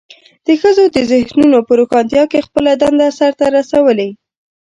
د ښځو د ذهنونو په روښانتیا کې خپله دنده سرته رسولې.